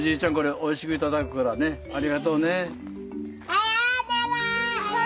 さようなら！